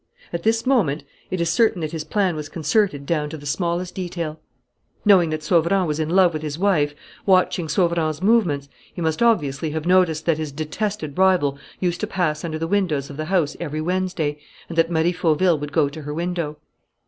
"At this moment it is certain that his plan was concerted down to the smallest detail. Knowing that Sauverand was in love with his wife, watching Sauverand's movements, he must obviously have noticed that his detested rival used to pass under the windows of the house every Wednesday and that Marie Fauville would go to her window.